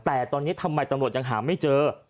แต่ตอนนี้ทำไมตำรวจยังหาไม่เจอ